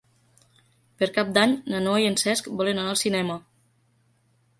Per Cap d'Any na Noa i en Cesc volen anar al cinema.